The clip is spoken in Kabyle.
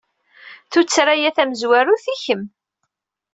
Tuttra-a tamezwarut i kemm.